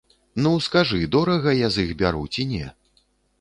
Ну, скажы, дорага я з іх бяру ці не?